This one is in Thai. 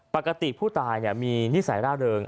ปกติผู้ตายมีนิสัยร่าเริง